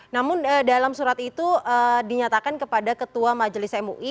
namun dalam surat itu dinyatakan kepada ketua majelis mui